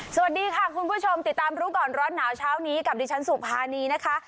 สวัสดีค่ะคุณผู้ชมติดตามรู้ก่อนร้อนหนาวเช้านี้กับดิฉันสุภานีนะคะ